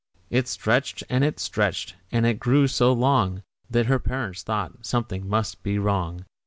It stretched and it stretched; and it grew so long That her parents thought something must be wrong.